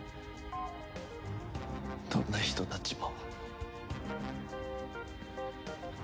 どんな人たちも。